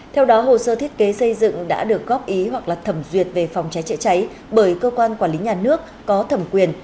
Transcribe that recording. theo đó hồ sơ thiết kế xây dựng đã được góp ý hoặc là thẩm duyệt về phòng cháy chữa cháy bởi cơ quan quản lý nhà nước có thẩm quyền